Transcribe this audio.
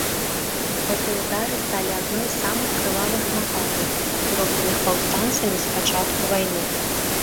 Гэтыя ўдары сталі адной з самых крывавых нападаў, зробленых паўстанцамі з пачатку вайны.